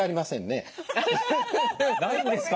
ないんですか？